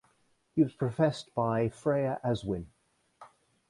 He was professed by Freya Aswynn.